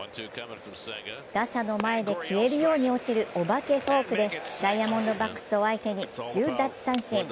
打者の前で消えるように落ちるお化けフォークでダイヤモンドバックスを相手に１０奪三振。